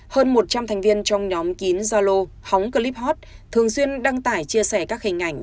hơn một trăm linh thành viên trong nhóm kín zalo phóng clip hot thường xuyên đăng tải chia sẻ các hình ảnh